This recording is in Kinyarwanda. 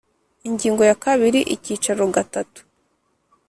Ingingo ya kabiri Icyicaro gatatu